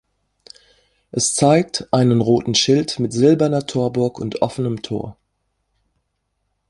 Es zeigt: Einen roten Schild mit silberner Torburg und offenem Tor.